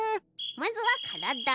まずはからだ。